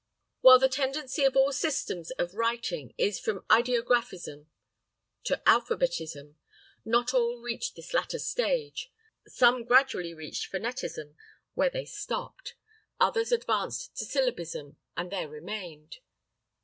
While the tendency of all systems of writing is from ideographism to alphabetism, not all reached this latter stage; some gradually reached phonetism, where they stopped. Others advanced to syllabism and there remained.